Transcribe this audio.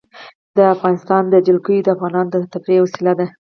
د افغانستان جلکو د افغانانو د تفریح یوه وسیله ده.